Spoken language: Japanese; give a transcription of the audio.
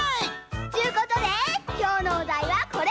ちゅうことできょうのおだいはこれ！